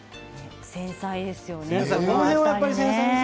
繊細ですよね。